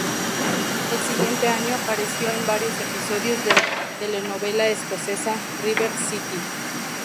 El siguiente año apareció en varios episodios del telenovela escocesa River City.